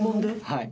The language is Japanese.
はい。